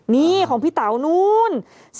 นี่ของพี่เต๋านู้น